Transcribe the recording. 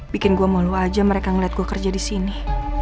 bikin gue malu aja mereka ngeliat gue kerja di sini